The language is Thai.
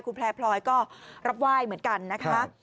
คุณแพร่พลอยก็รับไหว้เหมือนกันนะคะ